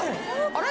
あれ？